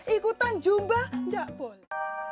ikutan jumba nggak boleh